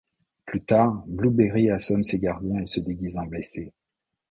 Plus tard, Blueberry assomme ses gardiens et se déguise en blessé.